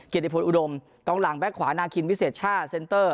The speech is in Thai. เกษตริพุทธอุดมกลางหลังแบ็คขวานาคิมวิเศษชาติเซนเตอร์